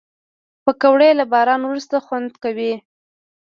پکورې له باران وروسته خوند کوي